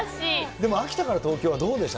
でも秋田から東京はどうでした？